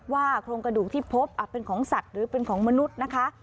โครงกระดูกที่พบเป็นของสัตว์หรือเป็นของมนุษย์นะคะ